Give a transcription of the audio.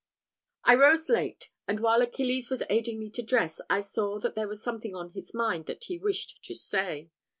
I rose late, and while Achilles was aiding me to dress, I saw that there was something on his mind that he wished to say.